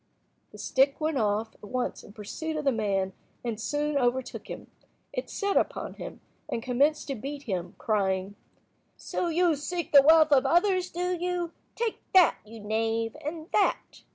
The stick went off at once in pursuit of the man and soon overtook him. It set upon him, and commenced to beat him, crying— "So you seek the wealth of others, do you? Take that, you knave, and that."